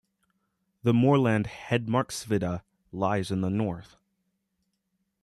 The moorland Hedmarksvidda lies in the north.